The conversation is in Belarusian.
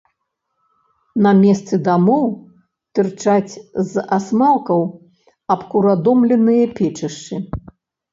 На месцы дамоў тырчаць з асмалкаў абкуродымленыя печышчы.